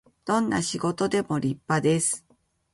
どんな仕事でも立派です